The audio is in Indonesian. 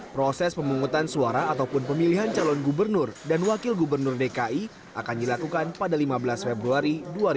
proses pemungutan suara ataupun pemilihan calon gubernur dan wakil gubernur dki akan dilakukan pada lima belas februari dua ribu dua puluh